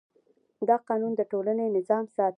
دا قانون د ټولنې نظم ساتي.